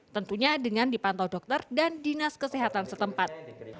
tentunya dengan dipantau dokter dan dinas kesehatan setempat